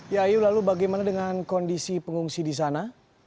ya ayu lalu bagaimana dengan kondisi pengungsi di sana